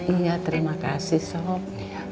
iya terima kasih sob